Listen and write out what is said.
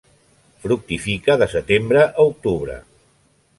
Fructifica de setembre a octubre.